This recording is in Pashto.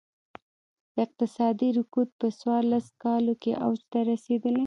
اقتصادي رکود په څوارلس کالو کې اوج ته رسېدلی.